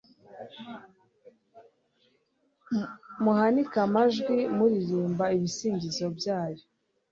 muhanike amajwi muririmba ibisingizo byayo